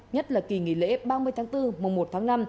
nhất là kỳ nghỉ lễ ba mươi tháng bốn mùa một tháng năm